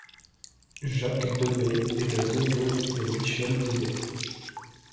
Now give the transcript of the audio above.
Jacques De Bay est le neveu de Michel De Bay.